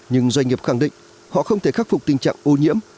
nhưng doanh nghiệp khẳng định họ không thể khắc phục tình trạng ô nhiễm